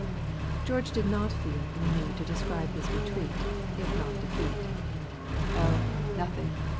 George did not feel in a mood to describe his retreat, if not defeat. "Oh, nothing.